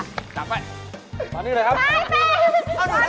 นับให้นี่เลยครับขอนี่เลยครับ๊าเป็น